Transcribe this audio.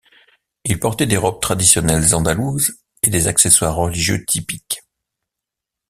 Il portait des robes traditionnelles andalouses et des accessoires religieux typiques.